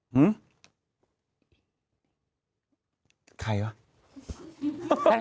หึใครหรอ